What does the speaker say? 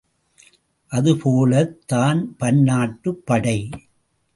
அதுபோலத் தான் பன்னாட்டுப் படை!